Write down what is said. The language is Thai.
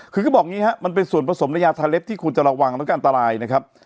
คือก็บอกอย่างนี้ฮะมันเป็นส่วนผสมในยาทาเล็บที่ควรจะระวังแล้วก็อันตรายนะครับ